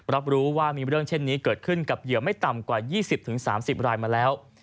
รับรู้ว่ามีเรื่องเช่นนี้เกิดขึ้นกับเหยื่อไม่ต่ำกว่า๒๐๓๐รายมาแล้ว